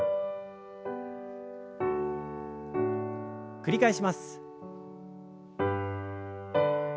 繰り返します。